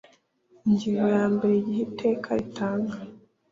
Ingingo ya mbere Igihe iteka ritanga